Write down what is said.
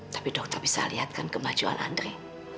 tapi dokter bisa lihatkan kemajuan andre